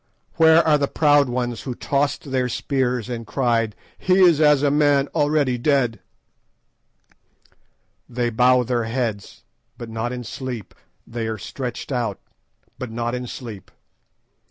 "Where are the proud ones who tossed their spears and cried, 'He is as a man already dead'? "They bow their heads, but not in sleep; they are stretched out, but not in sleep.